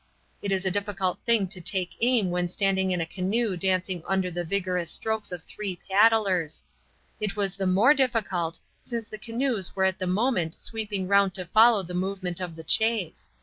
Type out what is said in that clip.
It is a difficult thing to take aim when standing in a canoe dancing under the vigorous strokes of three paddlers. It was the more difficult since the canoes were at the moment sweeping round to follow the movement of the chase.